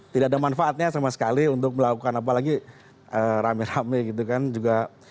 tidak ada manfaatnya sama sekali untuk melakukan apalagi rame rame gitu kan juga